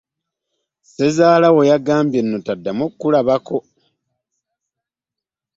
Ssezaala wo nno yagambye taddamu okukulabako!